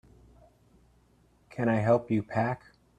Can I help you pack?